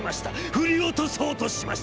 振り落とそうとしました。